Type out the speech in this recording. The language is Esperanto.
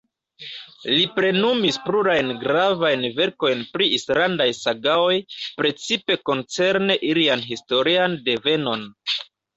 Li plenumis plurajn gravajn verkojn pri islandaj sagaoj, precipe koncerne ilian historian devenon.